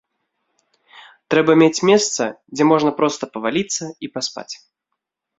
Трэба мець месца, дзе можна проста паваліцца і паспаць.